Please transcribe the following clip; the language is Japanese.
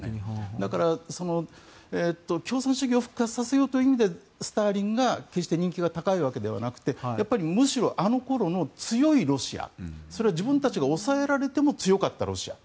だから、共産主義を復活させようという意味でスターリンが決して人気が高いわけではなくてやっぱりむしろあの頃の強いロシアそれは自分たちが抑えられても強かったロシア。